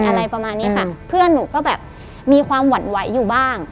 อะไรประมาณนี้ค่ะเพื่อนหนูก็แบบมีความหวั่นไหวอยู่บ้าง